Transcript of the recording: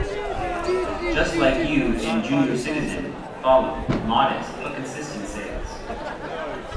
"Just Like You" and "Junior Citizen" followed, with modest but consistent sales.